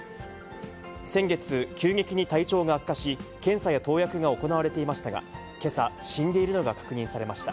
先月、急激に体調が悪化し、検査や投薬が行われていましたが、けさ、死んでいるのが確認されました。